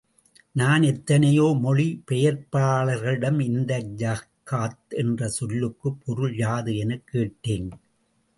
நான் எத்தனையோ மொழி பெயர்ப்பாளர்களிடம் இந்த ஜக்காத் என்ற சொல்லுக்குப் பொருள் யாது எனக் கேட்டேன்.